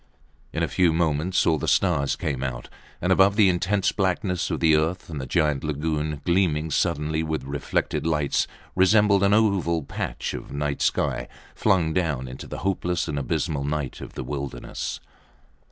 In a few moments all the stars came out above the intense blackness of the earth and the great lagoon gleaming suddenly with reflected lights resembled an oval patch of night sky flung down into the hopeless and abysmal night of the wilderness.